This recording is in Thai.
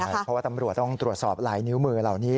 เพราะว่าตำรวจต้องตรวจสอบลายนิ้วมือเหล่านี้